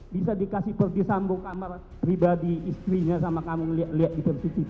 bisa dikasih pergi sambung kamar pribadi istrinya sama kamu liat liat di cctv